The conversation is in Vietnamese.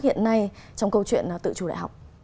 hiện nay trong câu chuyện tự chủ đại học